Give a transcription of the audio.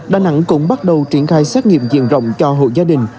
đà nẵng cũng bắt đầu triển khai xét nghiệm diện rộng cho hộ gia đình